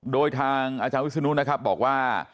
โดยทางอาจารย์วิศนุนะครับบอกว่า